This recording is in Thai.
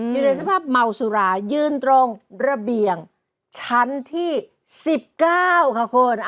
อยู่ในสภาพเมาสุรายืนตรงระเบียงชั้นที่๑๙ค่ะคุณ